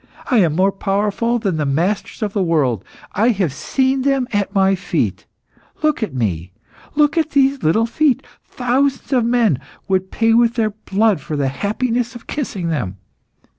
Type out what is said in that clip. I am more powerful than the masters of the world. I have seen them at my feet. Look at me, look at these little feet; thousands of men would pay with their blood for the happiness of kissing them.